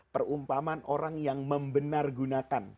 perumpamaan orang yang membenar gunakan